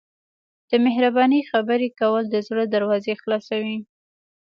د مهربانۍ خبرې کول د زړه دروازې خلاصوي.